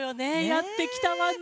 やってきたわね。